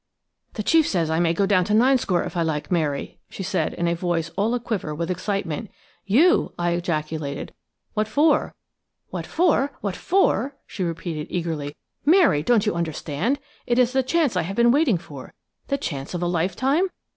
"The chief says I may go down to Ninescore if I like, Mary," she said in a voice all a quiver with excitement. "You!" I ejaculated. "What for?" "What for–what for?" she repeated eagerly. "Mary, don't you understand? It is the chance I have been waiting for–the chance of a lifetime?